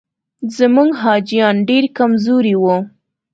زموږ حاجیان ډېر کمزوري وو.